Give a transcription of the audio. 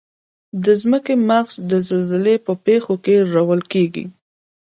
د ځمکې مغز د زلزلې په پیښو کې رول لري.